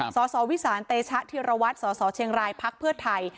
สอสอวิสารเตชะธิระวัติสอสอเชียงรายพรรคเพื่อไทย